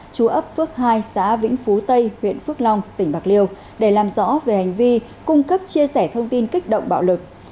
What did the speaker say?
chú ấp phước hai xã vĩnh phú tây huyện phước long tỉnh bạc liêu để làm rõ về hành vi cung cấp chia sẻ thông tin kích động bạo lực